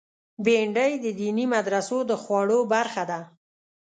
بېنډۍ د دیني مدرسو د خواړو برخه ده